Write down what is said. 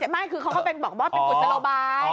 ไม่คือเขาก็เป็นบอกว่าเป็นกุศโลบาย